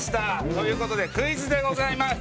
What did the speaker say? ということでクイズでございます。